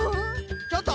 ちょっと！